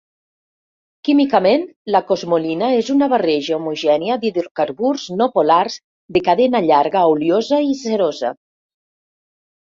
Químicament, la cosmolina és una barreja homogènia d'hidrocarburs no polars de cadena llarga oliosa i cerosa.